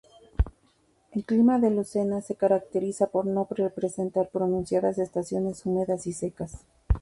El clima de Lucena se caracteriza por no presentar pronunciadas estaciones húmedas y secas.